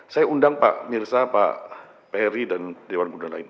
saya undang pak mirsa pak perry dan dewan muda lain